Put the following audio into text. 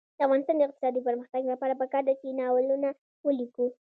د افغانستان د اقتصادي پرمختګ لپاره پکار ده چې ناولونه ولیکو.